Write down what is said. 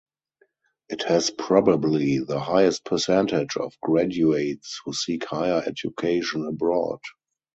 It has probably the highest percentage of graduates who seek higher education abroad.